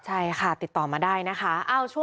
ใช่ค่ะติดต่อมาได้นะคะ